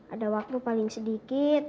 ada waktu paling sedikit